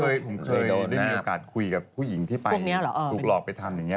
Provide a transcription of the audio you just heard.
เคยผมเคยได้มีโอกาสคุยกับผู้หญิงที่ไปถูกหลอกไปทำอย่างนี้